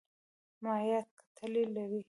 مایعات کتلې لري.